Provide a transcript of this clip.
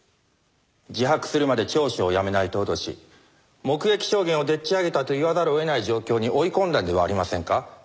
自白するまで聴取をやめないと脅し目撃証言をでっち上げたと言わざるを得ない状況に追い込んだんではありませんか？